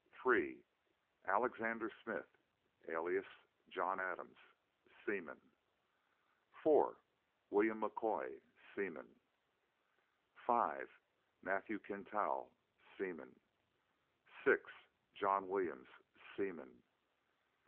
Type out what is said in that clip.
3. ALEXANDER SMITH (alias JOHN ADAMS), Seaman. 4. WILLIAM M'KOY, Seaman. 5. MATTHEW QUINTAL, Seaman. 6. JOHN WILLIAMS, Seaman.